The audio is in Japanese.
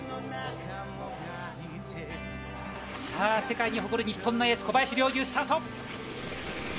さあ、世界に誇る日本のエース、小林陵侑、スタート。